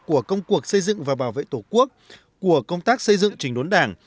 của công cuộc xây dựng và bảo vệ tổ quốc của công tác xây dựng trình đốn đảng